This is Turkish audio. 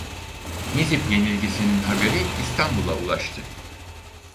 Nizip yenilgisinin haberi İstanbul'a ulaştı.